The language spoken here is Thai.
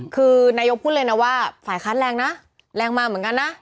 คือนายกพูดเลยนะว่าฝ่ายค้านแรงนะแรงมาเหมือนกันนะ